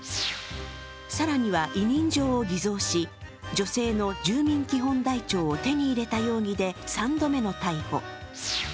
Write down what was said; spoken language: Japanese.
更には委任状を偽造し、女性の住民基本台帳を手に入れた容疑で３度目の逮捕。